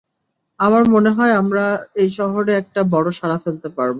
আমার মনে হয় আমরা এই শহরে একটা বড় সাড়া ফেলতে পারবো।